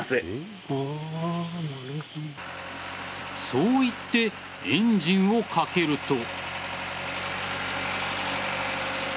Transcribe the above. そう言ってエンジンをかけると。